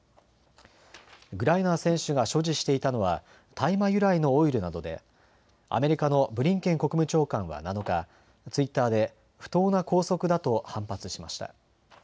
グライナー選手が所持していたのは大麻由来のオイルなどでアメリカのブリンケン国務長官は７日ツイッターで不当な拘束だと反発しました。